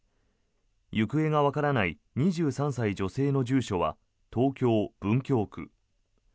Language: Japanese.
行方がわからない２３歳女性の住所は東京・文京区。